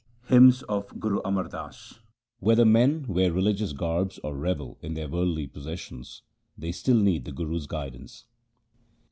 HYMNS OF GURU AMAR DAS Whether men wear religious garbs or revel in their worldly possessions, they still need the Guru's guidance.